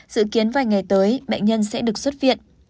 dự kiến vài ngày tới bệnh nhân sẽ được xuất viện